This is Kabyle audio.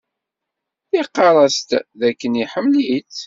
Iqarr-as-d dakken iḥemmel-itt.